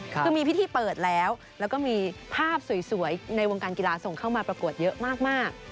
คือมีพิธีเปิดแล้วแล้วก็มีภาพสวยในวงการกีฬาส่งเข้ามาประกวดเยอะมาก